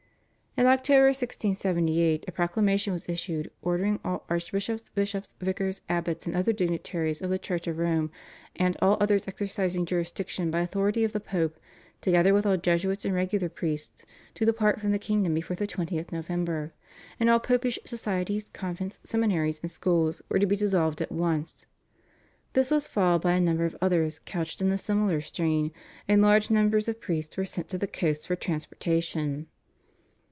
In October 1678 a proclamation was issued ordering all archbishops, bishops, vicars, abbots, and other dignitaries of the Church of Rome, and all others exercising jurisdiction by authority of the Pope, together with all Jesuits and regular priests, to depart from the kingdom before the 20th November, and all Popish societies, convents, seminaries, and schools were to be dissolved at once. This was followed by a number of others couched in a similar strain, and large numbers of priests were sent to the coast for transportation.